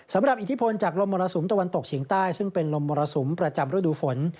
สำหรับอิทธิพลจากลมมรสมตะวันตกชิงใต้ซึ่งเป็นลมมรสมประจำฤดูฝน